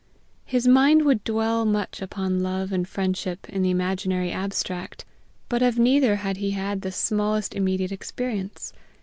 His mind would dwell much upon love and friendship in the imaginary abstract, but of neither had he had the smallest immediate experience.